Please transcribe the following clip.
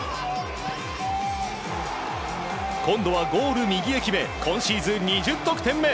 今度はゴール右へ決め今シーズン２０得点目！